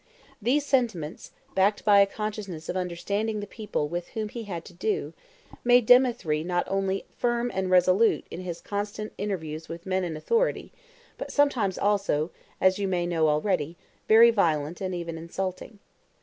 These sentiments, backed by a consciousness of understanding the people with whom he had to do, made Dthemetri not only firm and resolute in his constant interviews with men in authority, but sometimes also (as you may know already) very violent and even insulting.